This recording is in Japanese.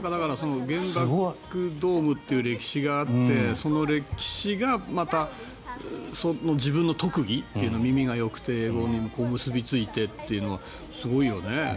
原爆ドームっていう歴史があってその歴史がまた自分の特技耳がよくて、こういうふうに結びついてというのはすごいよね。